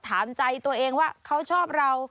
ถามใจตัวเองว่าเขาชอบเรา